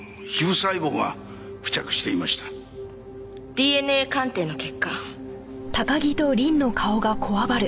ＤＮＡ鑑定の結果。